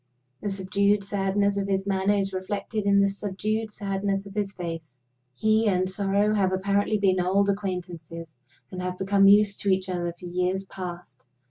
The subdued sadness of his manner is reflected in the subdued sadness of his face. He and sorrow have apparently been old acquaintances, and have become used to each other for years past.